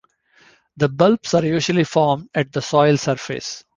The bulbs are usually formed at the soil surface.